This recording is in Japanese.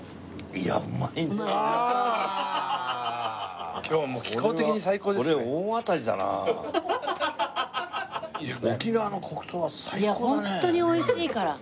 いやホントにおいしいから。